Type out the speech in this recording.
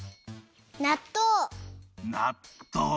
なっとう！